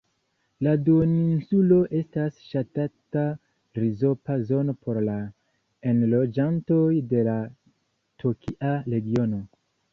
La duoninsulo estas ŝatata ripoza zono por la enloĝantoj de la tokia regiono.